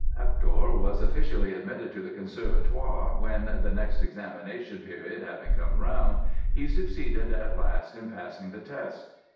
Hector was officially admitted to the Conservatoire when, the next examination period having come around, he succeeded at last in passing the test.